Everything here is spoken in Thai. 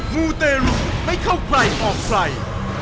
มู่แต่รูไม่เข้าไกลออกไกล